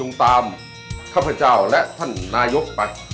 ตรงตามท่านพระเจ้าและท่านหน่ายกไป